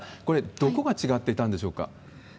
これ、どこが違っていたんでしょうか？